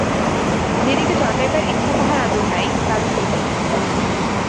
দিদিকে চটাইবার ইচ্ছা তাহার আদৌ নাই, কারণ দিদিই।